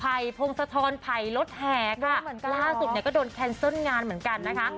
ภัยพงศธรภัยรถแหกล่าสุดก็โดนแคนเซิลงานเหมือนกันนะคะ